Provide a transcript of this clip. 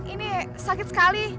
ini sakit sekali